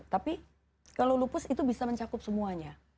tapi kalau lupus itu bisa mencakup semuanya